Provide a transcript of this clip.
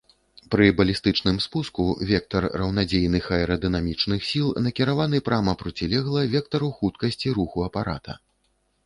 Пры балістычным спуску вектар раўнадзейных аэрадынамічных сіл накіраваны прама процілегла вектару хуткасці руху апарата.